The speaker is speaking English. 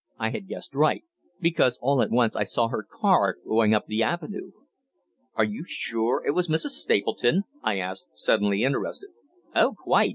I had guessed right, because all at once I saw her car going up the avenue." "Are you sure it was Mrs. Stapleton?" I asked, suddenly interested. "Oh, quite.